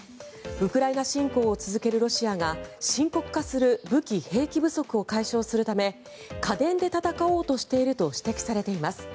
ウクライナ侵攻を続けるロシアが深刻化する武器・兵器不足を解消するため家電で戦おうとしていると指摘されています。